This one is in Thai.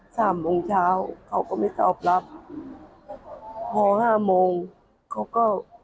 สามโมงเช้าเขาก็ไม่ตอบรับพอห้าโมงเขาก็